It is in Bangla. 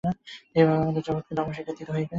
এইভাবে আমাদের জগৎকে ধর্মশিক্ষা দিতে হইবে।